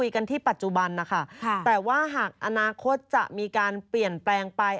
กันที่ปัจจุบันนะคะแต่ว่าหากอนาคตจะมีการเปลี่ยนแปลงไป